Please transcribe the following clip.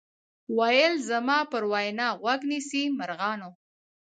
ویل زما پر وینا غوږ نیسۍ مرغانو